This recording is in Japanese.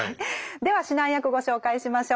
では指南役ご紹介しましょう。